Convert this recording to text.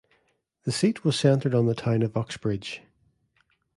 The seat was centred on the town of Uxbridge.